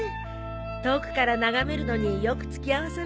遠くから眺めるのによく付き合わされたわ。